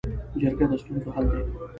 جرګه د ستونزو حل دی